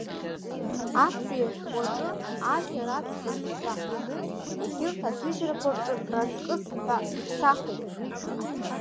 Актәи ашәҟәы аҿы ажәа раҵкыс ҳәа ианыз, егьырҭ аҭыжьрақәа рҿы раҵкыс ҳәа иԥсахуп.